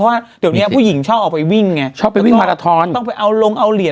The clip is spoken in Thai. เพราะว่าเดี๋ยวเนี้ยผู้หญิงชอบออกไปวิ่งไงชอบไปวิ่งมาราทอนต้องไปเอาลงเอาเหรียญ